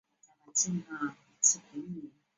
降伏的义长最终也自刃身亡。